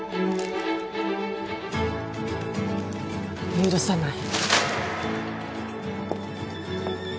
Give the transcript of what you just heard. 許さない。